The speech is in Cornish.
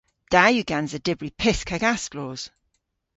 Da yw gansa dybri pysk hag asklos.